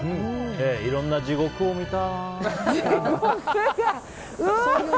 いろんな地獄を見たな。